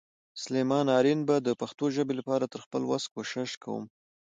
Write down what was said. سلیمان آرین به د پښتو ژبې لپاره تر خپل وس کوشش کوم.